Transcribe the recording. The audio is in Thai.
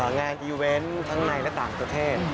งานอีเวนต์ทั้งในและต่างประเทศ